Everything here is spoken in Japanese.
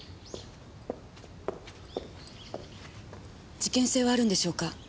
事件性はあるんでしょうか？